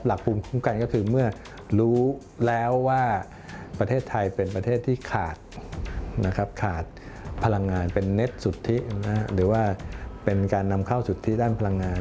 ภูมิคุ้มกันก็คือเมื่อรู้แล้วว่าประเทศไทยเป็นประเทศที่ขาดขาดพลังงานเป็นเน็ตสุทธิหรือว่าเป็นการนำเข้าสุทธิด้านพลังงาน